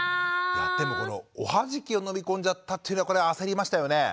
いやでもおはじきを飲み込んじゃったっていうのはこれは焦りましたよね。